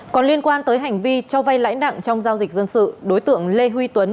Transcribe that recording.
còn liên quan tới hành vi cho vay lãi nặng trong giao dịch dân sự đối tượng lê huy tuấn